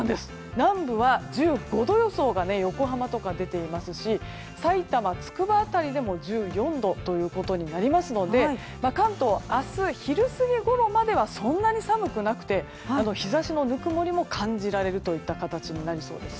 南部は１５度予想が横浜とかに出ていますしさいたま、つくば辺りでも１４度ということになりますので関東は明日昼過ぎごろまではそんなに寒くなくて日差しのぬくもりも感じられるといった形になりそうです。